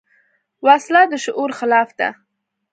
وسله د شعور خلاف ده